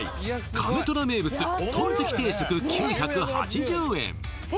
亀トラ名物トンテキ定食９８０円